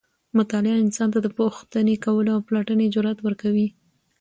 مطالعه انسان ته د پوښتنې کولو او پلټنې جرئت ورکوي.